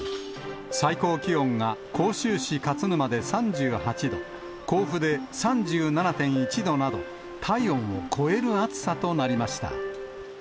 最高気温が甲州市勝沼で３８度、甲府で３７．１度など、体温を超える暑さとなりました。